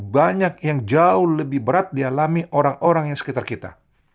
banyak yang jauh lebih berat dialami orang orang yang sekitar kita